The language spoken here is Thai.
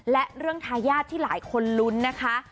และเรื่องทายาทที่หลายคนลุ้นนะคะ